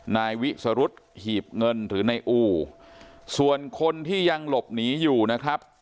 นายวิสรุธหีบเงินหรือนายอู่ส่วนคนที่ยังหลบหนีอยู่นะครับ